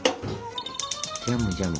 ジャムジャム